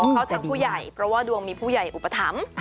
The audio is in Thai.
เข้าทางผู้ใหญ่เพราะว่าดวงมีผู้ใหญ่อุปถัมภ์